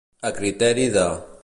A criteri de.